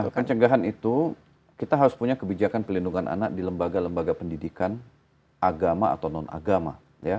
nah pencegahan itu kita harus punya kebijakan pelindungan anak di lembaga lembaga pendidikan agama atau non agama